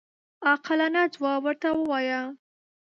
عاقلانه ځواب ورته ووایو.